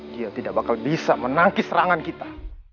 dia tidak bakal bisa menangkis serangan kita